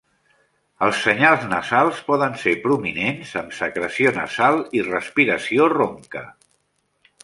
Els senyals nasals poden ser prominents, amb secreció nasal i respiració ronca.